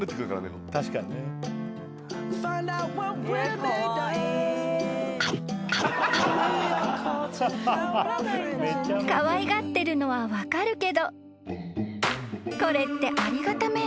［かわいがってるのは分かるけどこれって］